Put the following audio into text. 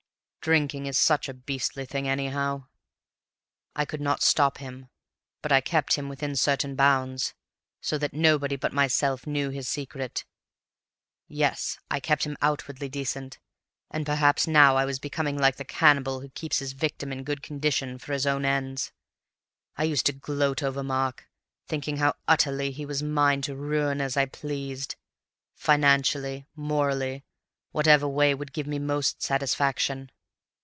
Drinking is such a beastly thing, anyhow. "I could not stop him, but I kept him within certain bounds, so that nobody but myself knew his secret. Yes, I kept him outwardly decent; and perhaps now I was becoming like the cannibal who keeps his victim in good condition for his own ends. I used to gloat over Mark, thinking how utterly he was mine to ruin as I pleased, financially, morally, whatever way would give me most satisfaction.